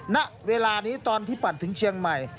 ณเวลานี้ตอนที่ปั่นถึงเชียงใหม่